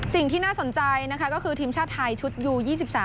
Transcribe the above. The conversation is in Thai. สิ่งที่น่าสนใจนะคะก็คือทีมชาติไทยชุดยู๒๓